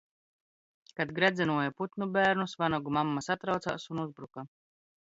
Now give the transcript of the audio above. Kad gredzenoja putnu bērnus, vanagu mamma satraucās un uzbruka.